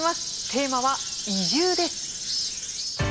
テーマは「移住」です。